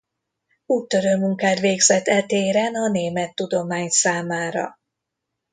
Úttörő munkát végzett e téren a német tudomány számára.